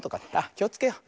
きをつけよう。